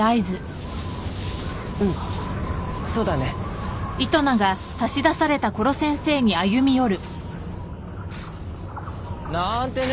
うんそうだねなーんてね！